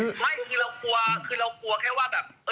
ไม่คือเรากลัวคือเรากลัวแค่ว่าแบบ